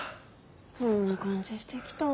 そんな感じしてきた。